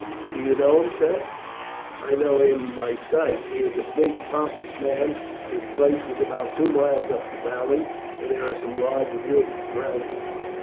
Do you know him, sir?" "I know him by sight. He is a big, pompous man; his place is about two miles up the valley, and there are some large woods round it."